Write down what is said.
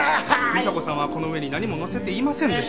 美沙子さんはこの上に何も載せていませんでした。